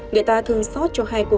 người ta thường xót cho hai cô